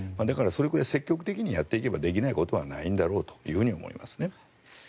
だからそれくらい積極的にやっていけばできないことはないんだろうと思いますね。